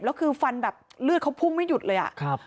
แล้วคือฟันแบบเลือดเขาพุ่งไม่หยุดเลยอะ